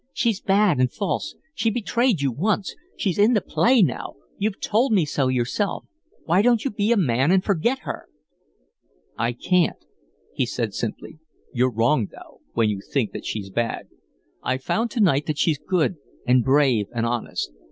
"She's bad and false. She betrayed you once; she's in the play now; you've told me so yourself. Why don't you be a man and forget her?" "I can't," he said, simply. "You're wrong, though, when you think she's bad. I found to night that she's good and brave and honest.